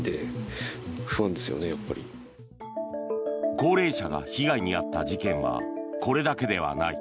高齢者が被害に遭った事件はこれだけではない。